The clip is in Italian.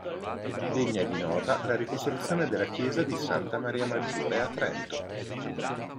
Degna di nota la ricostruzione della Chiesa di Santa Maria Maggiore a Trento.